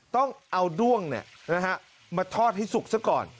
ต้องเอาด่วงเนี่ยนะฮะมาทอดให้สุกซะก่อน